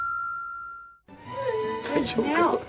大丈夫か？